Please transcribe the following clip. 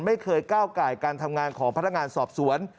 ไม่เคยก้าวไก่การทำงานของพนักงานสอบสวน